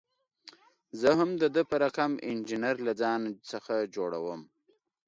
زه هم د ده په رقم انجینر له ځان څخه جوړوم.